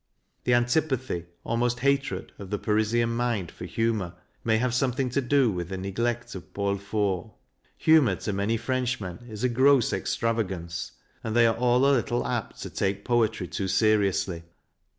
The antipathy almost hatred of the Parisian mind for humour may have something to do with the neglect of Paul Fort. Humour to many Frenchmen is a gross ex travagance, and they are all a little apt to take poetry too seriously.